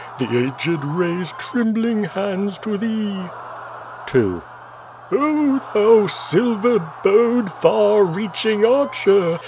The aged raise trembling hands to thee. II. "Oh, thou silver bowed, far reaching archer.